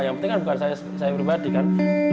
yang penting kan bukan saya pribadi kan